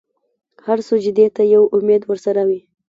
هر سجدې ته یو امید ورسره وي.